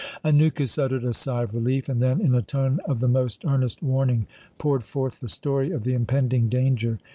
Anukis uttered a sigh of relief and then, in a tone of the most earnest warning, poured forth the story of the impending danger.